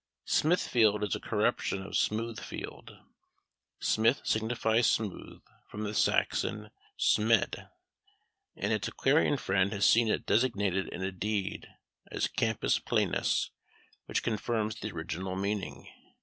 Smithfield is a corruption of Smoothfield; smith signifies smooth, from the Saxon ÊmeÃḞ. An antiquarian friend has seen it designated in a deed as campus planus, which confirms the original meaning.